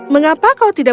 mengapa kau tidak